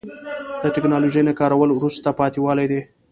د تکنالوژۍ نه کارول وروسته پاتې والی دی.